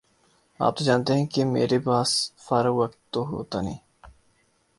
آپ تو جانتے ہیں کہ میرے باس فارغ وقت تو ہوتا نہیں